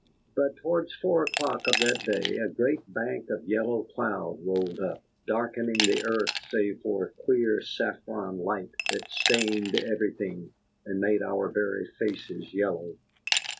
But towards four o'clock of that day a great bank of yellow cloud rolled up, darkening the earth save for a queer saffron light that stained everything, and made our very faces yellow.